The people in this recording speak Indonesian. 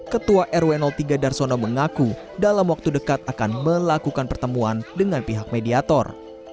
ketua rw tiga darsono mengaku dalam waktu dekat akan melakukan pertemuan dengan pihak mediator